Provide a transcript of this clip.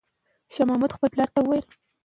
شاه محمود د خپل پلار تر مړینې وروسته واک ته ورسېد.